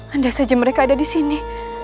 anda saja mereka ada disini